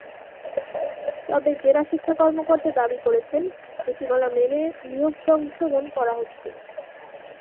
তবে জেলা শিক্ষা কর্মকর্তা দাবি করেছেন, নীতিমালা মেনে নিয়োগ সংশোধন করা হচ্ছে।